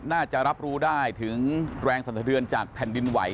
น่าจะรับรู้ได้ถึงแรงสันสะเทือนจากแผ่นดินไหว